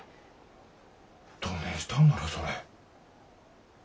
どねんしたんならそれ。